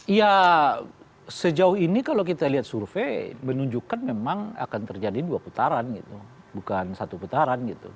ya sejauh ini kalau kita lihat survei menunjukkan memang akan terjadi dua putaran gitu bukan satu putaran gitu